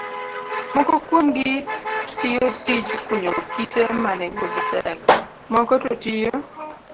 Moko kuomgi tiyo tij kunyo kite ma nengogi tek, moko to tiyo